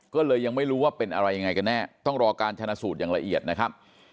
ก็เลยยังไม่รู้ว่าเป็นอะไรยังไงกันแน่ต้องรอการชนะสูตรอย่างละเอียดนะครับ